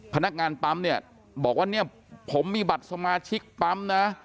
พนักงานปั๊มเนี่ยบอกว่าเนี่ยผมมีบัตรสมาชิกปั๊มนะ